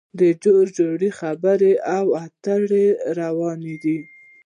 د جوړجاړي خبرې او اترې روانې دي